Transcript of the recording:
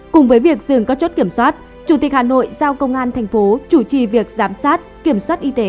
cùng với việc dừng các chốt kiểm soát chủ tịch hà nội giao công an thành phố chủ trì việc giám sát kiểm soát y tế